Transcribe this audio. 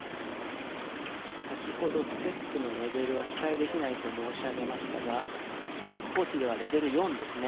先ほどステップのレベルは期待できないと申し上げましたが速報値ではレベル４ですね。